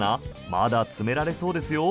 まだ詰められそうですよ。